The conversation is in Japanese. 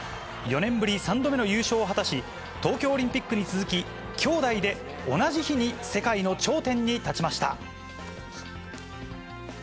４年ぶり３度目の優勝を果たし、東京オリンピックに続き、兄妹で同じ日に世界の頂点に立ちました。